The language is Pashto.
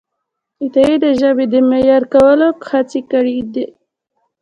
عطایي د ژبې د معیاري کولو هڅې کړیدي.